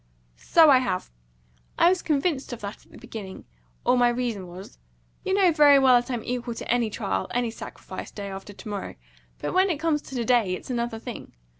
"So I have. I was convinced of that at the beginning, or my reason was. You know very well that I am equal to any trial, any sacrifice, day after to morrow; but when it comes to day it's another thing.